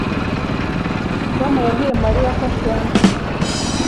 Tom yabwiye Mariya ko ashonje